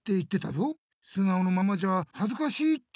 素顔のままじゃはずかしいって。